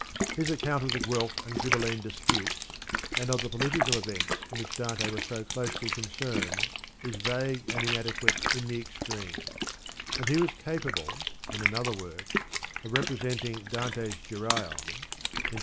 His account of the Guelf and Ghibelline disputes, and of the political events in which Dante was so closely concerned is vague and inadequate in the extreme ; and he was capable (in another work), of representing Dante's Geryon (Inf.